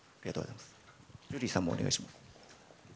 ジュリーさんもお願いします。